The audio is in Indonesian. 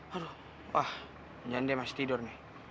aduh wah jangan dia masih tidur nih